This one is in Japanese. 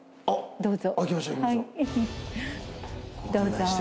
どうぞ。